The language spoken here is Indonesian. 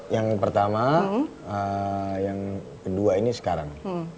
dua ribu tiga belas yang pertama yang kedua ini sekarang